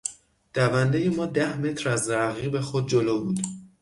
دوندهی ما ده متر از رقیب خود جلو بود.